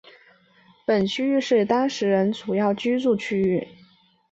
本区域是当时人主要的居住区域。